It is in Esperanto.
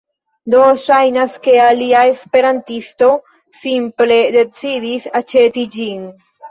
Do ŝajnas, ke alia esperantisto simple decidis aĉeti ĝin